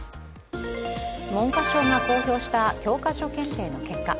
文科省が公表した教科書検定の結果。